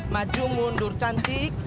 maju mundur cantik